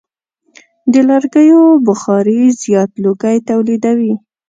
د لرګیو بخاري زیات لوګی تولیدوي.